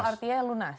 satu artinya lunas